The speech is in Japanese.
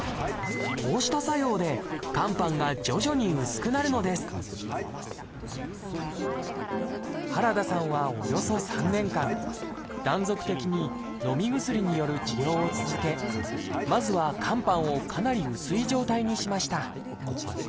こうした作用で肝斑が徐々に薄くなるのです原田さんはおよそ３年間断続的にのみ薬による治療を続けまずは肝斑をかなり薄い状態にしました。